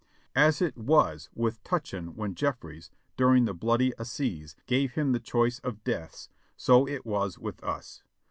As it was with Tutchin when Jeffries, during the "Bloody As size/' gave him the choice of deaths, so it was with us.